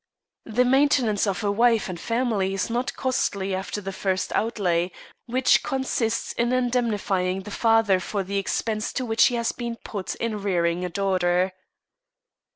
The maintenance of a wife and family is not costly after the first outlay, which consists in indemnifying the father for the expense to which he has been put in rearing a daughter.